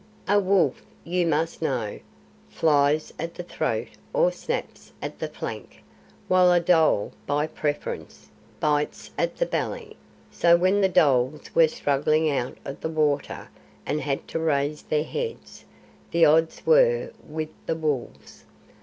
A wolf, you must know, flies at the throat or snaps at the flank, while a dhole, by preference, bites at the belly; so when the dholes were struggling out of the water and had to raise their heads, the odds were with the wolves.